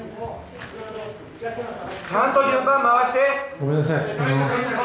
ごめんなさい。